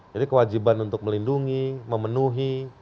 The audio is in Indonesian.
jadi kewajiban untuk melindungi memenuhi